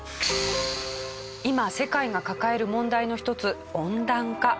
今世界が抱える問題の一つ温暖化。